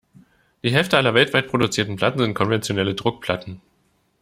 Die Hälfte aller weltweit produzierten Platten sind konventionelle Druckplatten.